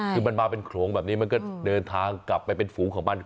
คือมันมาเป็นโขลงแบบนี้มันก็เดินทางกลับไปเป็นฝูงของมัน